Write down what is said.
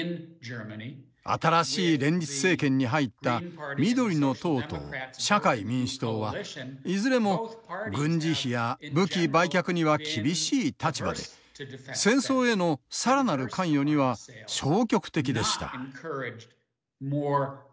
新しい連立政権に入った緑の党と社会民主党はいずれも軍事費や武器売却には厳しい立場で戦争への更なる関与には消極的でした。